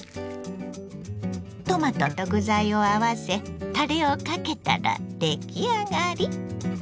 トマトと具材を合わせタレをかけたら出来上がり。